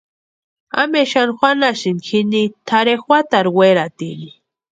¿Ampe xani juanhasïni jini tʼarhe juatarhu weratini?